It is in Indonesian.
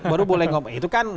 baru boleh ngomong